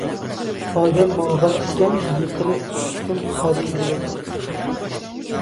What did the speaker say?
ئادەم ماڭغان ئىكەن، يىقىلىپ چۈشۈشتىن خالىي بولالمايدۇ.